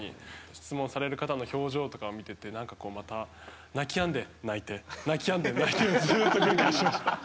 質問される方とかの表情とかを見ていてまた泣きやんで、泣いて泣きやんで、泣いてをずっと繰り返してました。